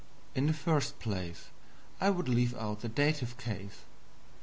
In the first place, I would leave out the Dative case.